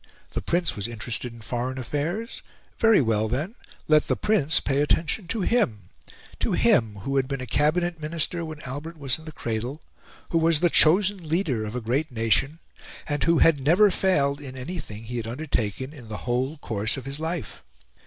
The Prince was interested in foreign affairs? Very well, then; let the Prince pay attention to him to him, who had been a Cabinet Minister when Albert was in the cradle, who was the chosen leader of a great nation, and who had never failed in anything he had undertaken in the whole course of his life.